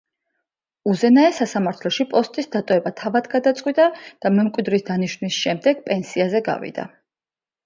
უზენაეს სასამართლოში პოსტის დატოვება თავად გადაწყვიტა და მემკვიდრის დანიშვნის შემდეგ პენსიაზე გავიდა.